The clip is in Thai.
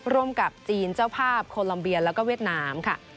ร่วมกับจีนเจ้าภาพโคลอมเบียแล้วก็เวียดนามค่ะ